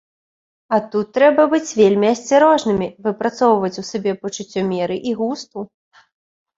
А тут трэба быць вельмі асцярожнымі, выпрацоўваць у сабе пачуццё меры і густу.